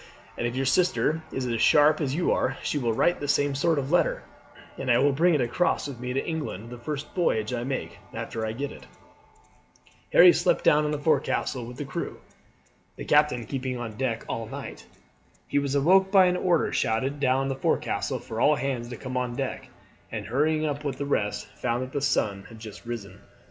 "And if your sister is as sharp as you are she will write the same sort of letter, and I will bring it across with me to England the first voyage I make after I get it." Harry slept down in the forecastle with the crew, the captain keeping on deck all night. He was awoke by an order shouted down the forecastle for all hands to come on deck; and hurrying up with the rest found that the sun had just risen.